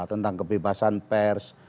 tentang kebebasan pers